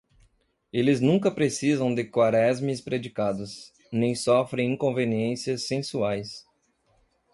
Eles nunca precisam de Quaresmes predicados, nem sofrem inconveniências sensuais.